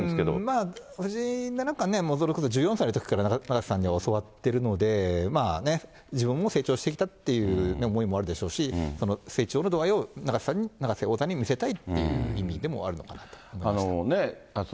まあ、藤井七冠ね、それこそ１４歳のときから、永瀬さんには教わってるので、自分も成長してきたっていう思いもあるでしょうし、成長の度合いを永瀬さんに、永瀬王座に見せたいっていう意味でもあるのかなと思いました。